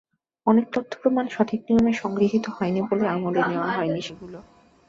অনেক তথ্যপ্রমাণ সঠিক নিয়মে সংগৃহীত হয়নি বলে আমলে নেওয়া হয়নি সেগুলো।